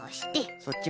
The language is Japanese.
そっちも。